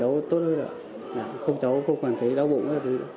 cháu tốt hơn là không cháu có cảm thấy đau bụng